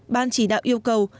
ban chỉ đạo yêu cầu